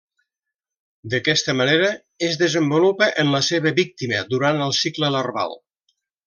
D'aquesta manera es desenvolupa en la seva víctima durant el cicle larval.